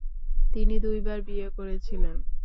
তিনি দুইবার বিয়ে করেছিলেন।